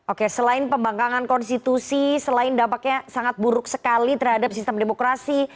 oke selain pembangkangan konstitusi selain dampaknya sangat buruk sekali terhadap sistem demokrasi